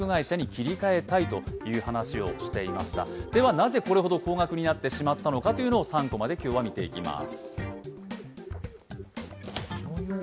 なぜこれほど高額になってしまったのかというのを今日は３コマで見ていきます。